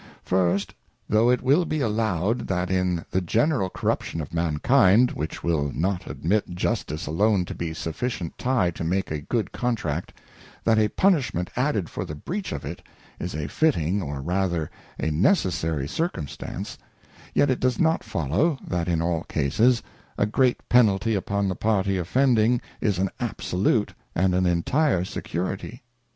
First, Though it will be allowed, that in the general corruption of mankind, which will not admit Justice alone to be a sufficient tie to make good a Contract, that a Punishment added for the breach of it, is a fitting or rather a necessary Circumstance ; yet it does not follow, that in all cases, a great Penalty upon the party offending is an absolute and an entire Security.